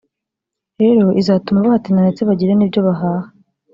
rero izatuma bahatinda ndetse bagire n’ibyo bahaha”